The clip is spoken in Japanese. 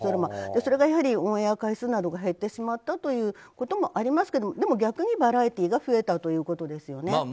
それがやはりオンエア回数などが減ってしまったということもありますけどでも逆にバラエティーが増えたということですよね。